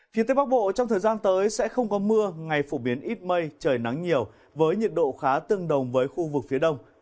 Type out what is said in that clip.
phía tây bắc bộ trong thời gian tới sẽ không có mưa ngày phổ biến ít mây trời nắng nhiều với nhiệt độ khá tương đồng với khu vực phía đông